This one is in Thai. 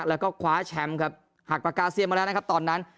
แล้วก็คว้าแชมป์ครับหักปากกาเซียนมาแล้วนะครับตอนนั้น